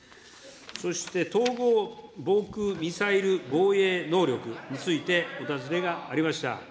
そして統合防空ミサイル防衛能力についてお尋ねがありました。